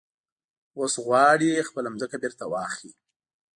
اوس غواړي خپله ځمکه بېرته واخلي.